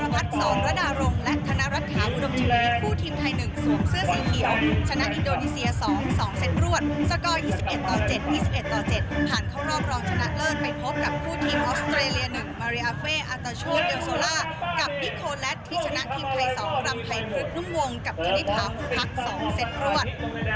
พี่โคลแลสที่ชนะทีมไทยสองกลับไทยพฤทธิ์นุ่มวงกับคณิตภาพภักดิ์สองเสร็จรวด